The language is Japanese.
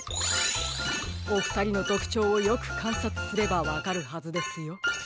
おふたりのとくちょうをよくかんさつすればわかるはずですよ。